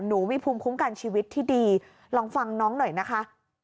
หนูมีภูมิคุ้มกันชีวิตที่ดีลองฟังน้องหน่อยนะคะ